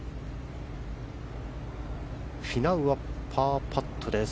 フィナウはパーパットです。